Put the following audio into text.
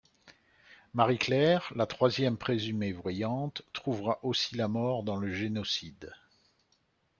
Marie Claire, la troisième présumée voyante, trouvera aussi la mort dans le génocide.